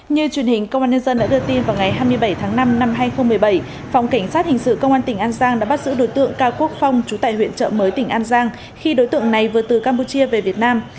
như truyền hình công an nhân dân đã đưa tin vào ngày hai mươi bảy tháng năm năm hai nghìn một mươi bảy phòng cảnh sát hình sự công an tỉnh an giang đã bắt giữ đối tượng cao quốc phong chú tại huyện trợ mới tỉnh an giang khi đối tượng này vừa từ campuchia về việt nam